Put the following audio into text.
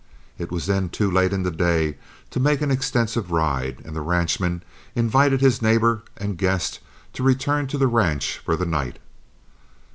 It was then too late in the day to make an extensive ride, and the ranchman invited his neighbor and guest to return to the ranch for the night.